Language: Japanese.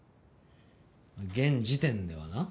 現時点ではな。